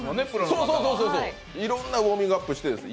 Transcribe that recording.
そう、いろんなウォーミングアップしてです。